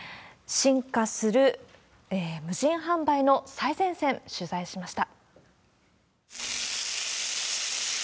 進化する無人販売の最前線、取材しました。